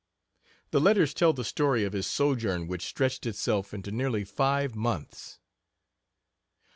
The letters tell the story of his sojourn, which stretched itself into nearly five months.